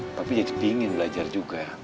tapi pingin belajar juga